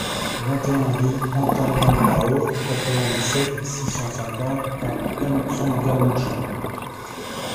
vingt et un rue Antanambao, quatre-vingt-dix-sept, six cent cinquante à M'Tsangamouji